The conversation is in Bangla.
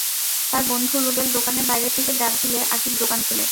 তার বন্ধু রুবেল দোকানের বাইরে থেকে ডাক দিলে আকিব দোকান খোলে।